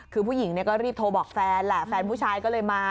คือผู้หญิงก็รีบโทรบอกแฟนแหละแฟนผู้ชายก็เลยมา